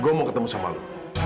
gue mau ketemu sama lo